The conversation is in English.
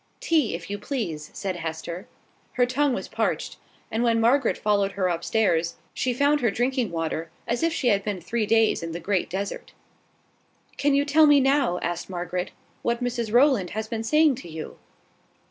"Tea, if you please," said Hester. Her tongue was parched: and when Margaret followed her up stairs, she found her drinking water, as if she had been three days deep in the Great Desert. "Can you tell me now," asked Margaret, "what Mrs Rowland has been saying to you?"